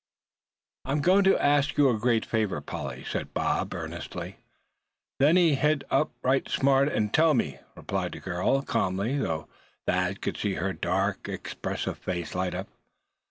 "I'M going to ask you a great favor, Polly," said Bob, earnestly. "Then hit it up right smart, an' tell me," replied the girl, calmly, though Thad could see her dark, expressive face light up.